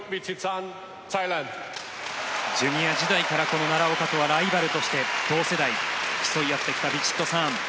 ジュニア時代から奈良岡とはライバルとして同世代、競い合ってきたヴィチットサーン。